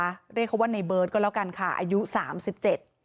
เรียกเขาว่าในเบิร์ตก็แล้วกันค่ะอายุสามสิบเจ็ด